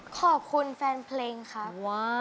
ขอบคุณฝ่างเพลงครับ